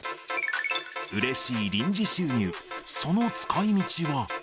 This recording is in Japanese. うれしい臨時収入、その使いみちは。